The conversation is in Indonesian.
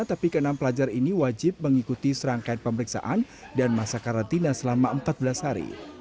tapi keenam pelajar ini wajib mengikuti serangkaian pemeriksaan dan masa karantina selama empat belas hari